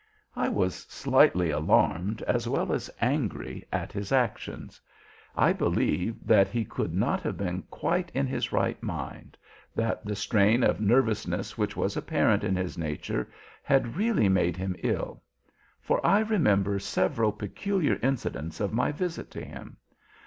"I was slightly alarmed as well as angry at his actions. I believe that he could not have been quite in his right mind, that the strain of nervousness which was apparent in his nature had really made him ill. For I remember several peculiar incidents of my visit to him.